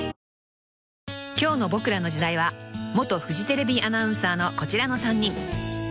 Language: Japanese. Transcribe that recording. ［今日の『ボクらの時代』は元フジテレビアナウンサーのこちらの３人］